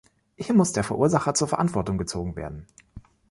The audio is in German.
Hier muss der Verursacher zur Verantwortung gezogen werden!